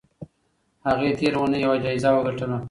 هغې تېره اونۍ یوه جایزه وګټله.